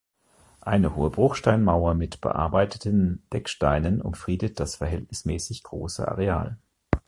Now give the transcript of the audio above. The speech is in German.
Eine hohe Bruchsteinmauer mit bearbeiteten Decksteinen umfriedet das verhältnismäßig große Areal.